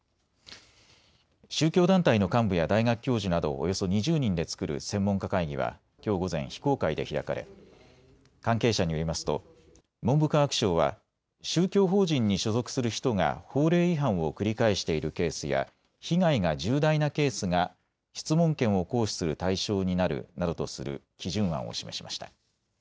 宗教団体の幹部や大学教授などおよそ２０人で作る専門家会議はきょう午前、非公開で開かれ関係者によりますと文部科学省は宗教法人に所属する人が法令違反を繰り返しているケースや被害が重大なケースが質問権を行使する対象になるなどとする基準案を示しました。